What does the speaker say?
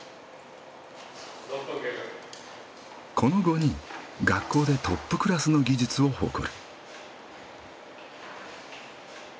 この５人学校でトップクラスの技術を誇る。